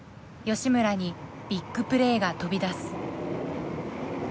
吉村にビッグプレーが飛び出す。